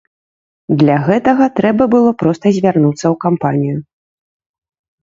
Для гэтага трэба было проста звярнуцца ў кампанію.